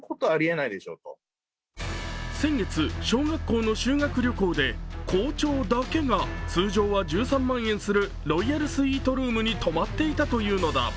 先月、小学校の修学旅行で校長だけが通常は１３万円するロイヤルスイートルームに泊まっていたというのだ。